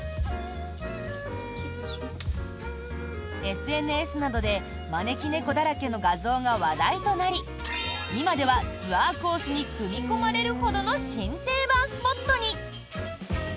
ＳＮＳなどで招き猫だらけの画像が話題となり今ではツアーコースに組み込まれるほどの新定番スポットに。